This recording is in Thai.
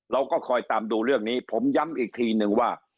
เราก็คอยตามดูเรื่องนี้ผมย้ำอีกทีนึงว่า